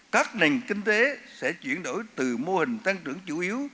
các nền kinh tế sẽ chuyển đổi từ mô hình tăng trưởng chủ yếu